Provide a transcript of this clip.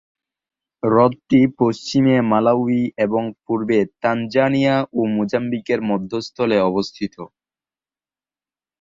হ্রদটি পশ্চিমে মালাউই এবং পূর্বে তানজানিয়া ও মোজাম্বিকের মধ্যস্থলে অবস্থিত।